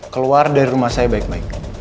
keluar dari rumah saya baik baik